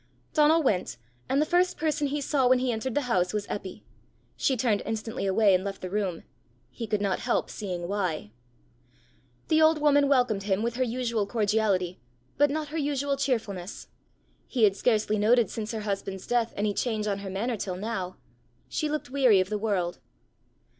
Donal went, and the first person he saw when he entered the house was Eppy. She turned instantly away, and left the room: he could not help seeing why. The old woman welcomed him with her usual cordiality, but not her usual cheerfulness: he had scarcely noted since her husband's death any change on her manner till now: she looked weary of the world.